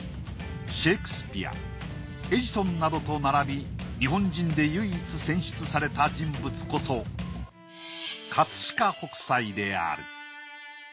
シェイクスピアエジソンなどと並び日本人で唯一選出された人物こそ飾北斎である。